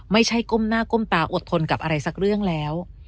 ไม่ใช่ก้มหน้าก้มตาอดทนกับอะไรสักเรื่องแล้ว